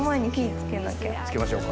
付けましょうか？